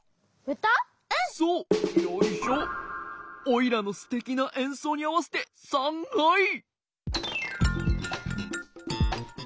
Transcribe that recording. オイラのすてきなえんそうにあわせてさんはい！